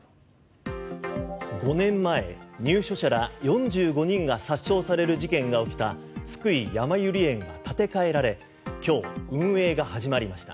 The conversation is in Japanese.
５年前、入所者ら４５人が殺傷される事件が起きた津久井やまゆり園が建て替えられ今日、運営が始まりました。